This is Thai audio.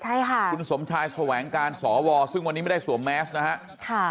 ใช่ค่ะคุณสมชายแสวงการสวซึ่งวันนี้ไม่ได้สวมแมสนะฮะค่ะ